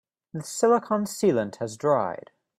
The silicon sealant has dried.